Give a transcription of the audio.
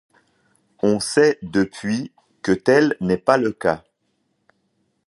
On sait depuis que tel n'est pas le cas.